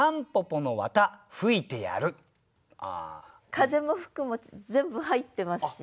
「風」も「吹く」も全部入ってますしね。